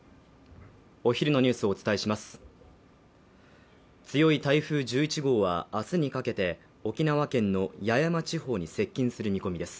お昼のニュースをお伝えします強い台風１１号はあすにかけて沖縄県の八重山地方に接近する見込みです